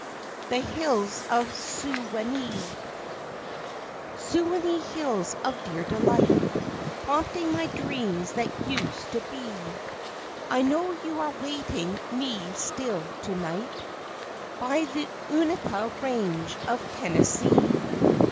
THE HILLS OF SEWANEE Sewanee Hills of dear delight, Prompting my dreams that used to be, I know you are waiting me still to night By the Unika Range of Tennessee.